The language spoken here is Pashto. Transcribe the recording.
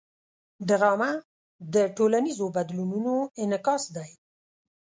ډرامه د ټولنیزو بدلونونو انعکاس دی